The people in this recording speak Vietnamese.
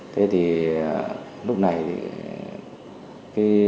thế thì lúc này thì